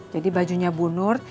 jadi bajunya bunur